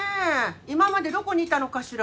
今までどこにいたのかしら。